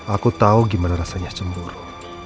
aku tahu gimana rasanya cemburu